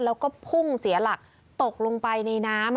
แล้วก็พุ่งเสียหลักตกลงไปในน้ำ